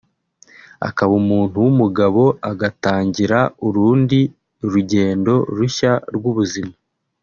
akaba umuntu w’umugabo agatangira urundi rugendo rushya rw’ubuzima